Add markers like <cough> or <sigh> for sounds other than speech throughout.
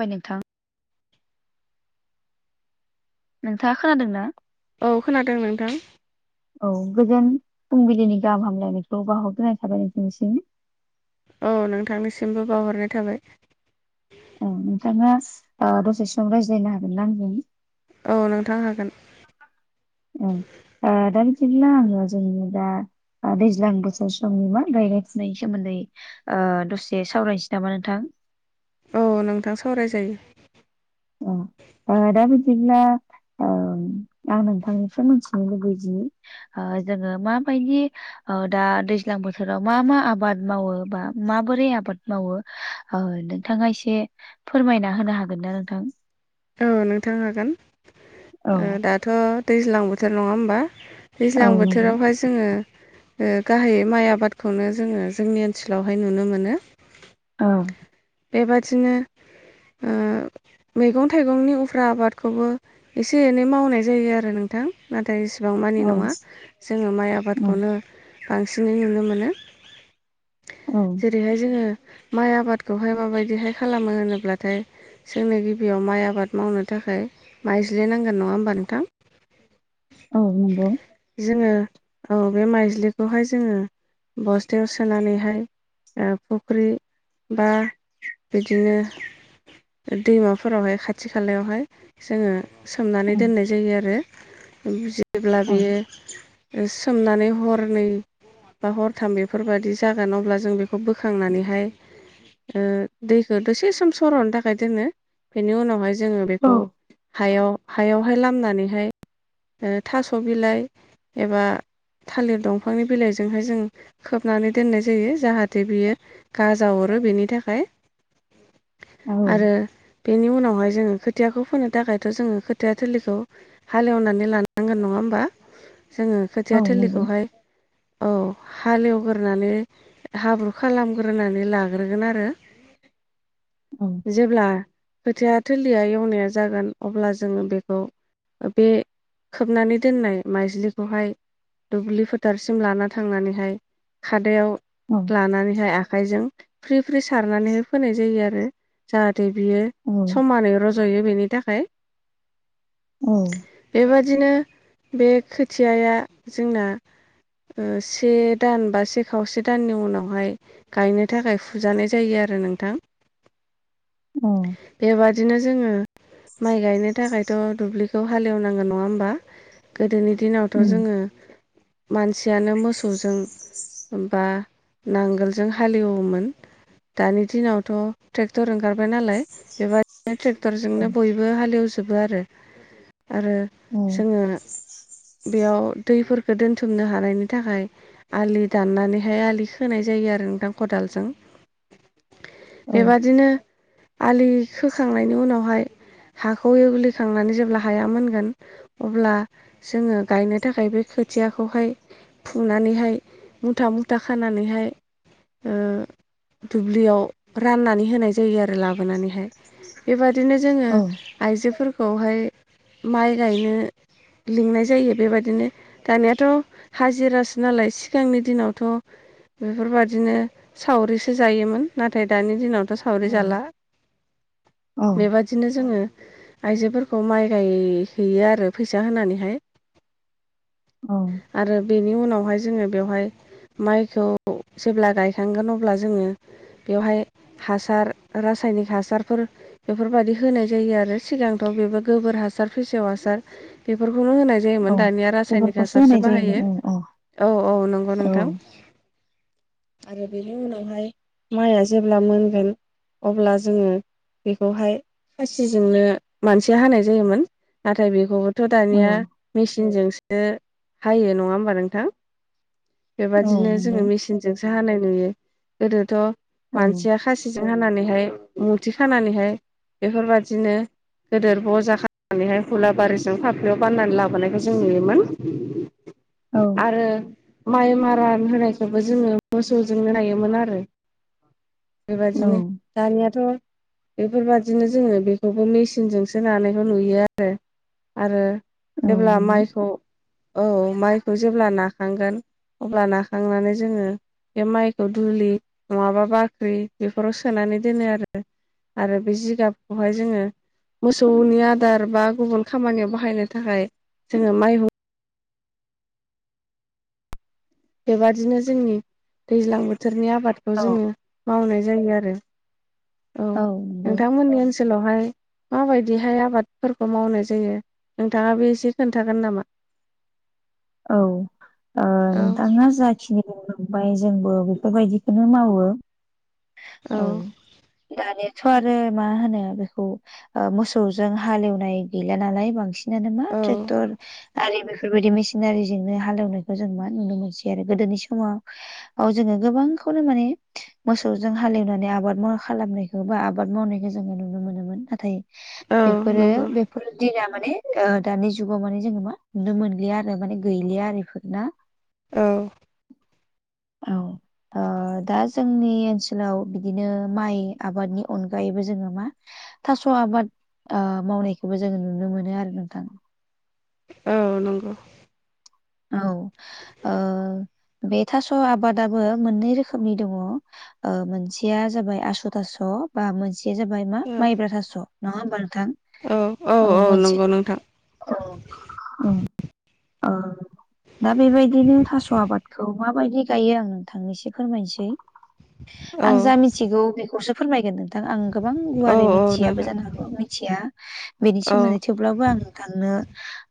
बाय नोंथां नोंथाङा खोनादों ना औ खोनादों नोंथां औ गोजोन फुंबिलिनि गाहाम हामलायनायखौ बाहरग्रोनाय थाबाय नोंथनिसिम औ नोंथांनिसिमबो बावहरनाय थाबाय औ नोंथाङा दसे सम रायज्लायनो हागोनना आंजों औ नोंथां हागोन औ दा बिदिब्ला आङो जोंनि दा दैज्लां बोसोर समनि मा माय गायायफिनायनि सोमोन्दै दसे सावरायनोसै नामा नोंथां औ नोंथां सावरायजायो अ आदाबो जोबला आं नोंथांनिफ्राय मिथिनो लुुबैदि जोङो माबायदि दा दैज्लां बोथोराव मा मा आबाद मावो बा माबोरै आबाद मावो औ नोंथाङा एसे फोरमायना होनो हागोन ना नोंथां औ नोंथां हागोन औ दाथ' दैज्लां बोथोर नङा होमबा औ दैज्लां नंगौ बोथोरावहाय जोङो गाहायै माइ आबादखौनो जोङो जोंनि ओनसोलावहाय नुनो मोनो औ बेबादिनो मैगं थाइगंनि उफ्रा आबादखौबो एसे एनै मावनाय जायो आरो नोंथां नाथाय इसेबां औ मानि नङा जोङो माइ आबादखौनो बांसिनै नुनो मोनो औ जेरैहाय जोङो माइ आबादखौहाय माबायदिहाय खालामो होनोब्लाथाय जोंनो गिबियाव माइ आबाद मावनो थाखाय माइज्लनांगोन नङा होमबा नोंथां औ नंगौ जोङो औ बे माइज्लिखौहाय जोङो बस्थायाव सोनानैहाय फुख्रि बा बिदिनो दैमाफोरावहाय खाथि खाथि खालायावहाय जोङो औ सोमनानै दोननाय जायो आरो जेब्ला औ बियो सोमनानै हरनै बा हरथाम बेफोरबाददि जागोन अब्ला जों बेखौ बोखांनानैहाय दैखौ दसे सम सर'नो थाखाय दोनो बेनि उनावहाय जोङो औ बेखौ हायाव हायावहाय लामनानैहाय थास' बिलाइ एबा थालिर दंफांनि बिलाइजोंहाय जों खोबनानै दोननाय जायो जाहाथे बियो गाजा हरो बेनि थाखाय <inaudible> आरो बेनि उनावहाय जोङो खोथियाखौ फोनो थाखायथ' जोङो खोथिया थोलिखौ हालेवनानै लानांगोन नङा होमबा जोङो औ खोथिया नंगौ थोलिखौहाय औ हालेवग्रोनानै हाब्रु खालामग्रोनानै लाग्रोगोन आरो औ जेब्ला खोथिया थोरलिया एवनाया जागोन अब्ला जोङो बेखौ बे खोबनानै दोननाय माइज्लिखौहाय दुब्लि फोथारसिम लाना थांनानैहाय खादायाव औ लानानैहाय आखाइजों फ्रि फ्रि सारनानैहाय फोनाय जायो आरो जाहाथे बियो खानै रज'यो बेनि थाखाय औ बेबादिनो बे खोथियाया जोंना से दान बा से खावसे दाननि उनावहाय गायनो थाखाय फुजानाय जायो आरो नोंथां उम। बेबादिनो जोङो माइ गायनो थाखायथ' दुब्लिखौ हालेवनांगौ नङा होमबा गोदोनि दिनावथ' उम जोङो मानसियानो मोसौजों बा नांगोलजों हालेवोमोन दानि दिनावथ' ट्रेक्टर ओंखारबाय नालाय बेबायाददिनो औ ट्रेक्टरजोंनो बयबो हालेवजोबो आरो आरो औ जोङो बेयाव दैफोरखौो दोनथुमनो हानायनि थाखाय आलि दाननानैहाय आलि खोनाय जायो आरो नों दां खदालजों औ बेबादिनो आलि सोखांनायनि उनावहाय हाखौ एवग्लिखांनानै जेब्ला हाया मोनगोन अब्ला जोङो गायनो थाखाय बे खोथियाखौहाय फुनानैहाय मुथा मुथा खानानैहाय दुब्लियाव राननानै होनाय जायो आरो लाबोनानैहाय बेबादिनो जोङो आइजोफोरखौहाय माइ गायनो लिंनाय जायो बेबायदिनो दानियााथ' हाजिरासो नालाय सिगांनि दिनावथ' बेफोरबायादिनो सावरिसो जायोमोन नाथाय दानि दिनावथ' सावरि जाला औ बेबादिनो जोङो आइजोफोरखौ माइ गायहैयो आरो फैसा होनानैहाय औ आरो बेनि उनावहाय जोङो बेवहाय माइखौ जेब्ला गायखांगोन अब्ला जोङो बेवहाय हासार रासायनिक हासारफोर बेफोरबादि होनाय जायो आरो सिगांथ' बेबो गोबोर हासार फेसेव हासार बेफोरखौनो होनाय औ जायोमोन दानिया रासायनिक बेफोरखौसो होनाय हासारसो बाहायो जायोमोन औ औ नंगौ औ नोंथां। <inaudible> आरो बेनि उनावहाय माइया जेब्ला मोनगोन अब्ला जोङो बेखौहाय फासिजोंनो मानसिया हानाय जायोमोन नाथाय बेखौ थ' औ दानिया मेचिनजोंसो हायो नङा होमबा नोंथां? औ बेबादिनो नंगौ जोङो मेचिनजोंसो हानाय नुयो गोदोथ' औ मानसिया खासि जों हानानैहाय मुथि खानानैहाय बेफोरबादिनो गदोर ब'जा खालामनानैहाय हुलाबारिजों फफ्लियाव बाननानै लाबोनायखौ जों नुयोमोन औ आरो माइ मारान होनायखौबो जोङो मोसौजोंनो नायोमोन आरो। औ बेबायदिनो दानियाथ' बेफोरबदिनो जोङो बेखौबो मेसिनजोंसो नानायखौ नुयो आरो आरो औ जेब्ला नंगौ माइखौ ओ माइखौ जेब्ला नाखांगोन अब्ला नाखांनानै जोङो बे माइखौ दुलि नङाबा बाख्रि बेफोराव सोनानै दोनो आरो। आरो बे जिगाबखौहाय जोङो मोसौनि आदार बा गुबुन खामानियाव बाहायनो थाखाय जोङो माइ हुं बेबादिनो जोंनि दैज्लां बोथोरनि आबादखौ औ जोङो औ मावनाय जायो आरो। औ नंगौ नोंथांमोननि ओनसो ओनसोलावहाय माबायदिहाय आबादफोरखौ मावनाय जायो नोंथाङा बो एसे खोन्थागोन नामा? औ ओ औ नोंथाङा जाख खिनि बुंलांबाय जोंबो बेफोरबायदिखौनो मावो औ। दानियाथ' आरो मा होनो बेखौ ओ मोसौजों हालेवनाय गैला नालाय बांसिन नानो मा औ ट्रेक्टर आरि बेफोरबायदि मेसिन सिनारिजोंनो हालेवनायखौ जों मा नुनो मोनसै आरो गोदोनि समाव औ जोङो गोबांखौनो माने मोसौजों हालेवनानै आबाद मो खालामनायखौ बा आबाद मावनायखौ जोङो नुनो मोनोमोन नाथाय औ बेफोरो नंगौ बेफोर दिना माने ओ दानि जुगाव माने जोङो मा नुनो मोनलिया आरो। माने गैलिया आरो बेफोर ना? औ औ ओ दा जोंनि ओनसोलाव बिदिनो माइ आबादनि अनगायैबो जोङो मा थास' आबाद ओ मावनायखौबो जोङो नुनो मोनो आरो नोंथां। औ नंगौ। औ ओ बे थास' आबादाबो मोननै रोखोमनि दङ ओ मोनसेया जाबाय आसु थास' बा मोनस मोनसेया जाबाय मा औ माइब्रा थास' नङा होमबा नोंथां? औ औ मोनसे नंगौ नोंथां औ उम ओ दा बेबायदिनो थास' आबादखौ माबायदि गायो आं नोंथांनो इसो फोरमायनोसै। औ आं जा मिथिगौ बेखौसो फोरमायगोन नोंथां आं गोबां औ गुवारै औ मिथियाबो नोंथां जानो हागौ मिथिया बेनि औ सोमोन्दै थेवब्लाबो आं नोंथांनो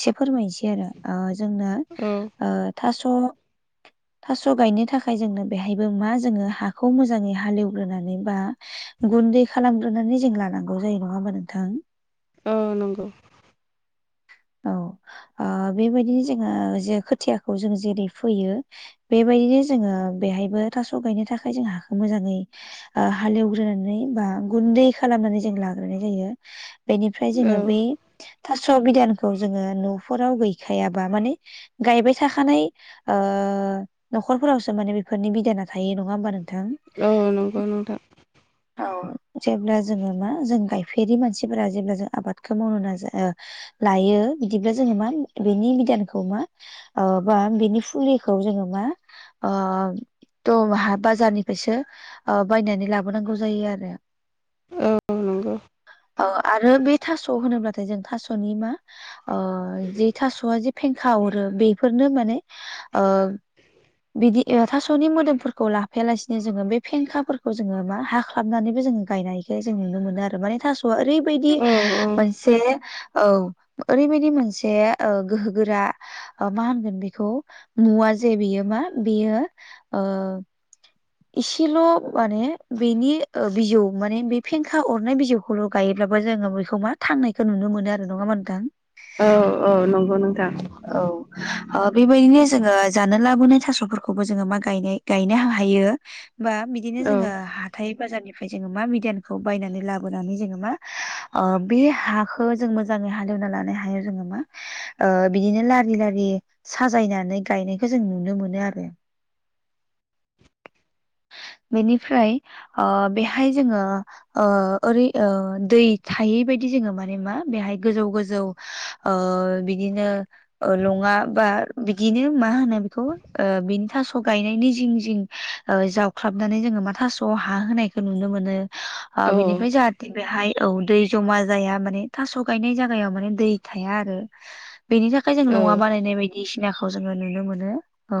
एसे फोरमायनोसै आरो ओ जोंनो औ ओ थास' थास' गायनो थाखाय जोंनो बेहायबो मा जोङो हाखौ मोजाङै हालेवग्रोनानै बा गुन्दै खालामग्रोनानै जों लानांगौ जायो नङा होमबा नोंथां? औ नंगौ औ ओ बेबायदिनो जोङो जे खोथियाखौ जों जेरै फैयो बेबायदिनो जोङो बेहायबो थास' गायनो थाखाय जों हाखौ मोजाङै हाल एवग्रोनानै बा गुन्दै खालामनानै जों लाग्रोनाय जायो। बेनिफ्राय औ जोङो बै थास' बिधानखौ जोङो न'फोराव गैखायाबा माने गायबाय थाखानाय ओ न'खरफोरावसो माने बेफोरनि बिदाना थायो नङा होमबा नोंथां। औ नंगौ नोंथां। <inaudible> औ जेब्ला जोङो मा जों गायफेरि मानसिफोरा जेब्ला जों आबादखौ मावनो नाजा ओ लायो बिदिब्ला जोङो मा बेनि बिधानखौ मा ओ बा बिनि फुलिखौ जोङो मा ओ औ बाजारनिफ्रायसो बायनानै लाबोनांगौ जायो आरो। औ नंगौ। आरो बे थास' होनोब्लाथाय जों थास'नि मा ओ जे थास'आ जेे फें खावरो बेफोरनो माने ओ बिदि थास'नि मोदोमफोरखौ लाफायालासिनो जोङो बे फेंखाफोरखौ जोङो मा हाख्लाबनानैबो जोङो गायनायखो जों नुनो मोनो आरो माने थास'आ ओरै बैदि औ मोनसे औ ओरैबायदि मोनसे ओ गोहो गोरा मा होनगोन बेखौ मुवा जे बेयो मा बेयो ओ इसेल' माने बेनि बिजौ माने बे फेंखा अरनाय बिजौ खौल' गायोब्लाबो जोङो बेखौ मा थांनायखौ नुनो मोनो आरो। नङा होनबा नोंथां? औ औ नंगौ नोंथां। औ बेबायदिनो जोङो जानो लाबोनाय थास'फोरखौबो जोङो मा गायनाय गायनो हायो। बा बिदिनो औ जोङो हा थाय बाजारनिफ्राय जोङो मा बिधानखौ बायनानै लाबोनानै जोङो मा बे हा जों मोजाङै हाले एवना लानो हायो जोङो मा ओ बिदिनो लारि लारि साजायनानै गायनायखौ जों नुनो मोनो आरो। बेनिफ्राय ओ बेहाय जोङो ओ ओरै ओ दै थायै बायदि जोङो माने मा बेहाय गोजौ गोजौ ओ बिदिनो लङा बा बिदिनो मा होनो बेखौ ओ बिनि थास' गायनायनि जिं जिं जावख्लाबनानै जोङो मा थास'आव हा होनायखौ नुनो मोनो। ओ औ बिनिफ्राय जाहाथे बेहाय औ दै जमा जाया माने थास' गायनाय जायगायाव माने दै थाया आरो। बेनि थाखाय जों औ लङा बानायनाय बायदि दिसिनाखौ जों नुनो मोन औ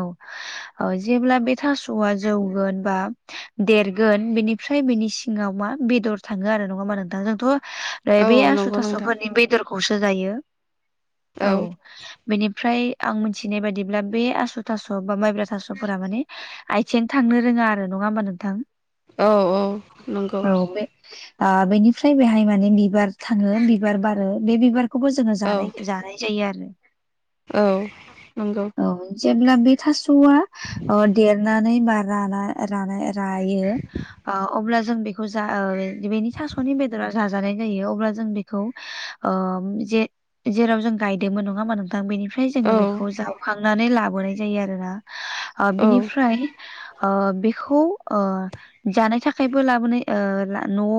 औ जेब्ला बे थास' आ जौगोन बा देरगोन बेनिफ्राय बेनि सिङाव मा बेदर थाङो आरो नङा मा नोंथां जोंथ' औ बे आसु नंगौ नोंथां थास'फोरनि बेदरखौसो जायो औ बेनिफ्राय आं मिथिनाय बादिब्ला बे आसु थास' बा माइब्रा थास'फोरा माने आथिं थांनो रोङा आरो नङा होमबा नोंथां। औ औ नंगौ। आ बेनिफ्राय बेहाय माने बिबार थाङो बिबार बारो बे बिबार खौबो जोङो औ जानाय जानाय जायो आरो। औ नंगौ। औ जेब्ला बे थास'आ ओ देरनानै बा राना रानाय रायो ओ अब्ला जों बेखौ जा बेनि थास'नि बेदरा जाजानाय जायो अब्ला जों बेखौ अ जे जेराव जों गायदोंमोन नङा होमा नोंथां बेनिफ्राय औ जोङो बेखौ जावखांनानै लाबोनाय जायो आरोना औ बिनिफ्राय ओ बेखौ ओ जानाय थाखायबो लाबोनाय न'आव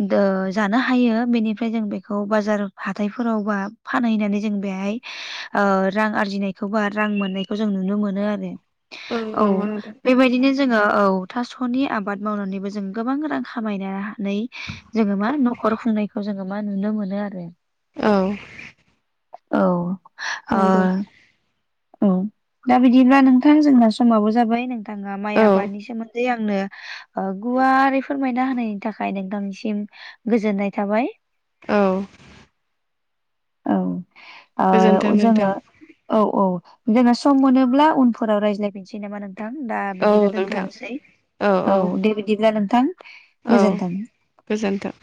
द जानो हायो बेनिफ्राय जों बेखौ बाजार हाथथायफोरावबा फानहैनानै जों बेहाय रां आरजिनायखौ बा रां मोननायखौ जों नुनो मोनो आरो औ नंगौ नोंथां बेबायदिनो जोङो औ थास'नि आबाद मावनानैबो जों गोबां रां खामायनानै जोङो मा न'खर खुंनायखौ जोङो मा नुनो मोनो आरो औ औ आ नंगौ औ दा बिदिब्ला नोंथां जोंना समाबो जाबाय नोंथाङा माइ औ आबादनि सोमोन्दै आंनो गुवारै फोरमायना होनायनि थाखाय नोंथांनिसिम गोजोननाय थाबाय औ गोजोन्थों औ नोंथां जोङो औ औ जोंना सम मोनोब्ला उनफोरावायज्लायफिनोसै नामा नों नोंथां दा औ बिदिब्ला नोंथां दोनथ'नोसै औ दे बिदिब्ला नोंथां औ गोजोन्थों गोजोन्थों